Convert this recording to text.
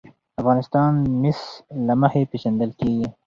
افغانستان د مس له مخې پېژندل کېږي.